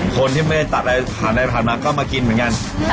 คนที่ไม่ได้ตัดอะไรผ่านมาก็มากินเหมือนกัน